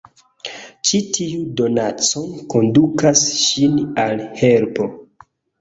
Ĉi tiu donaco kondukas ŝin al helpo...